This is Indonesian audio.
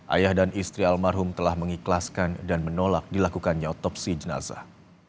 ayah dan istri almarhum telah mengikhlaskan dan menolak dilakukannya otopsi jenazah